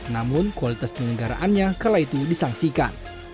namun kualitas penyelenggaraannya kala itu disangsikan